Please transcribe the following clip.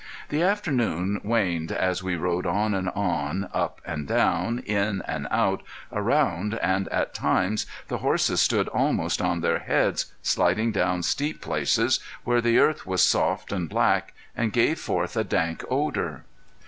The afternoon waned as we rode on and on, up and down, in and out, around, and at times the horses stood almost on their heads, sliding down steep places where the earth was soft and black, and gave forth a dank odor.